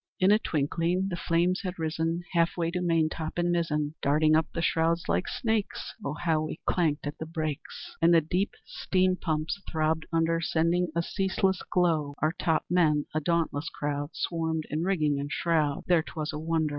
"In a twinkling the flames had risen Half way to maintop and mizzen, Darting up the shrouds like snakes! Ah, how we clanked at the brakes! And the deep steam pumps throbbed under Sending a ceaseless glow. Our top men a dauntless crowd Swarmed in rigging and shroud; There ('twas a wonder!)